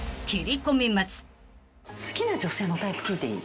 好きな女性のタイプ聞いていい？